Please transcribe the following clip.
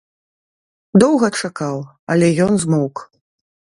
Доўга чакаў, але ён змоўк.